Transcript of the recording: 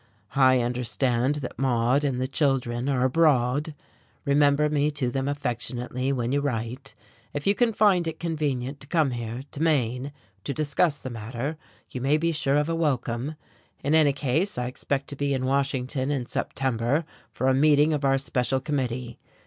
I understand that Maude and the children are abroad. Remember me to them affectionately when you write. If you can find it convenient to come here, to Maine, to discuss the matter, you may be sure of a welcome. In any case, I expect to be in Washington in September for a meeting of our special committee.